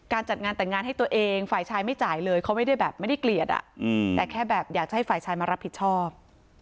จัดงานแต่งงานให้ตัวเองฝ่ายชายไม่จ่ายเลยเขาไม่ได้แบบไม่ได้เกลียดแต่แค่แบบอยากจะให้ฝ่ายชายมารับผิดชอบ